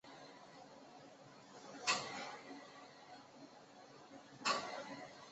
目前为止还是一个神秘的物种。